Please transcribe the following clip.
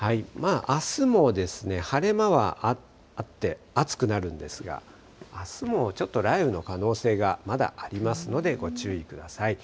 あすも晴れ間はあって、暑くなるんですが、あすもちょっと雷雨の可能性がまだありますので、ご注意ください。